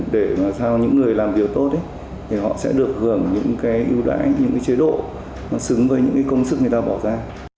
để mà sau những người làm việc tốt thì họ sẽ được gần những cái ưu đãi những cái chế độ mà xứng với những cái công sức người ta bỏ ra